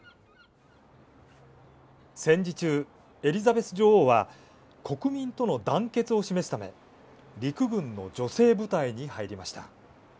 戦時中、エリザベス女王は国民との団結を示すため陸軍の女性部隊に入りました。